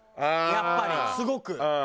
やっぱりすごく。